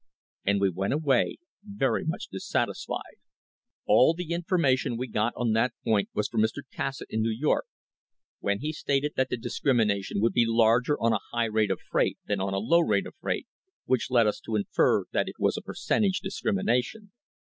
And we went away very much dissatisfied. All the information we got on that point was from Mr. Cassatt in New York, when he stated that the discrimination would be larger on a high rate of freight than on a low rate of freight, which led us to infer that it was a percentage discrimination.